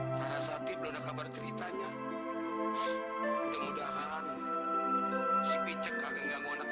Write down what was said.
saat saat dipilih akal biblioteknya di mudah mudahan si pince k megapot